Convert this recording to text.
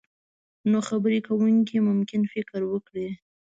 نو خبرې کوونکی ممکن فکر وکړي.